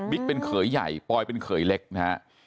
เป็นเขยใหญ่ปอยเป็นเขยเล็กนะฮะ